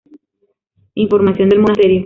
Información del monasterio